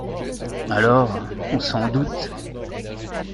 Alors, on s’en doute !